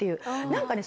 何かね